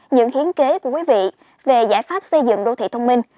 những hiến kế của quý vị về giải pháp xây dựng đô thị thông minh